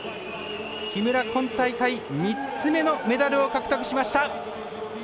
木村、今大会３つ目のメダルを獲得しました。